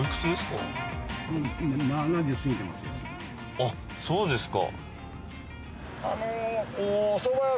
あっそうですか。